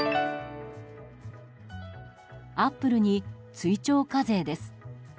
アップルに追徴課税です。